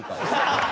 ハハハ！